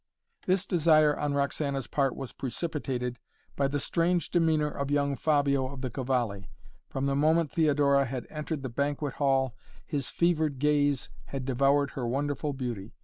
This desire on Roxana's part was precipitated by the strange demeanor of young Fabio of the Cavalli. From the moment Theodora had entered the banquet hall his fevered gaze had devoured her wonderful beauty.